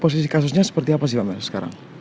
posisi kasusnya seperti apa sih pak mel sekarang